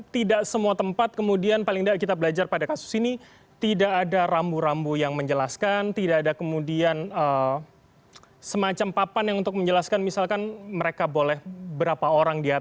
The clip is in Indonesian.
tidak semua tempat kemudian paling tidak kita belajar pada kasus ini tidak ada rambu rambu yang menjelaskan tidak ada kemudian semacam papan yang untuk menjelaskan misalkan mereka boleh berapa orang di atas